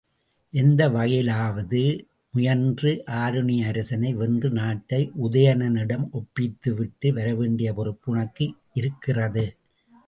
எந்த வகையிலாவது முயன்று ஆருணியரசனை வென்று நாட்டை உதயணனிடம் ஒப்பித்துவிட்டு வரவேண்டிய பொறுப்பு உனக்கு இருக்கிறது.